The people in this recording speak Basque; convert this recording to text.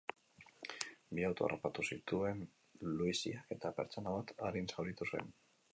Bi auto harrapatu zituen luiziak, eta pertsona bat arin zauritu zen.